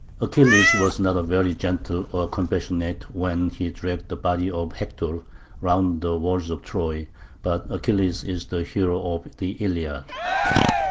Achilles was not very gentle or compassionate when he dragged the body of Hector round the walls of Troy: but Achilles is the hero of the Iliad.